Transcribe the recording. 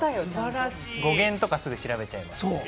語源とかすぐ調べちゃいます。